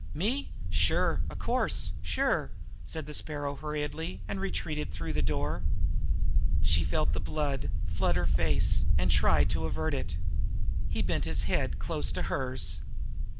"Me? Sure! Of course! Sure!" said the Sparrow hurriedly, and retreated through the door. She felt the blood flood her face, and she tried to avert it. He bent his head close to hers.